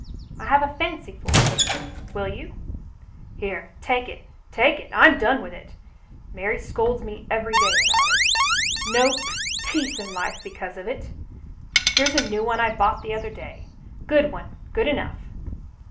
I have a fancy for it. Will you ?" "Here, take it — take it. I'm done with it. Mary scolds me every day about it. No p — peace in life because of it. Here's a new one I bought the other day — good one — good enough."